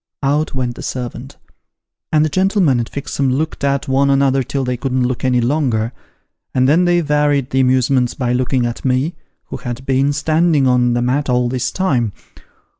Out went the servant ; and the gentleman and Fixem looked at one another till they couldn't look any longer, and then they varied the amusements by looking at me, who had been standing on the mat all this time.